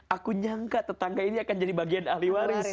aku nyangka tetangga ini akan jadi bagian ahli waris